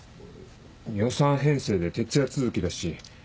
予算編成で徹夜続きだし。